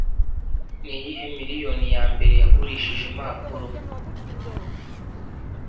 Niyihe miriyoni yambere yagurishije impapuro